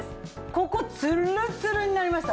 ここツルツルになりました！